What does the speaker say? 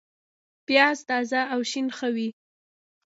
پیاز تازه او شین ښه وي